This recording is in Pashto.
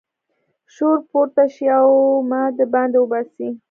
شور پورته شي او ما د باندې وباسي.